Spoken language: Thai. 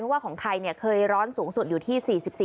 ว่าของไทยเคยร้อนสูงสุดอยู่ที่๔๔